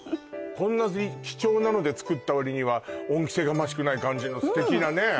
こんなに貴重なので作ったわりには恩着せがましくない感じの素敵なね